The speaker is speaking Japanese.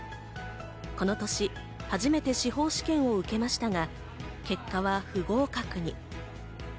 この年、初めて司法試験を受けましたが、結果は不合格に。